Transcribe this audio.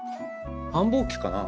繁忙期かな？